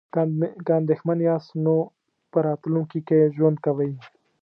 که اندیښمن یاست نو په راتلونکي کې ژوند کوئ.